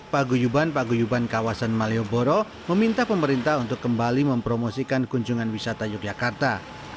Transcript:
paguyuban paguyuban kawasan malioboro meminta pemerintah untuk kembali mempromosikan kunjungan wisata yogyakarta